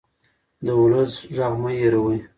د ولس غږ مه هېروئ